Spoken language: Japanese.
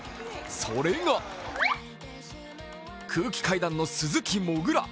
それが空気階段の鈴木もぐら。